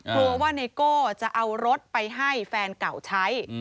กลัวว่าไนโก้จะเอารถไปให้แฟนเก่าใช้